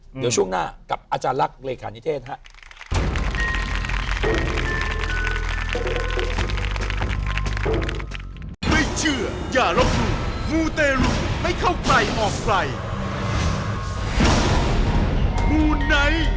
เดี๋ยวช่วงหน้ากลับอาจารย์ลักษณ์